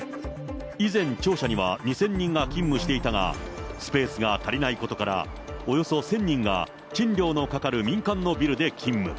以前、庁舎には２０００人が勤務していたが、スペースが足りないことから、およそ１０００人が賃料のかかる民間のビルで勤務。